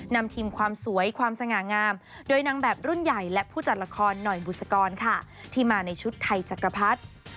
นำทีมความสวยความสง่างามโดยนางแบบรุ่นใหญ่และผู้จัดละครหน่อยบุษกรค่ะที่มาในชุดไทยจักรพรรดิ